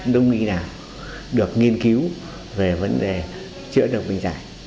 đồng y nào được nghiên cứu về vấn đề chữa được bệnh dạy